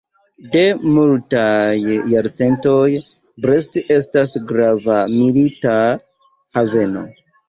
De multaj jarcentoj, Brest estas grava milita haveno.